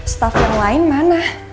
staff yang lain mana